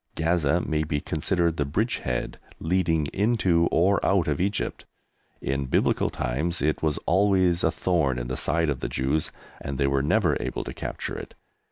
Gaza may be considered the bridgehead leading into or out of Egypt. In Biblical times it was always a thorn in the side of the Jews, and they were never able to capture it.